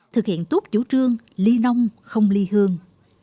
thực hiện tốt chủ trương ly nông không ly hương